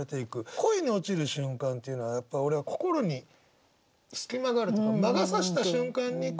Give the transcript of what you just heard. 恋に落ちる瞬間っていうのはやっぱ俺は心に隙間があるというか魔が差した瞬間に恋に落ちると思ってて。